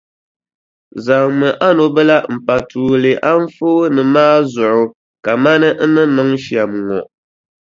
Zaŋmi a nubila m-pa tuuli anfooni maa zuɣu kamani n ni niŋ shɛm ŋɔ.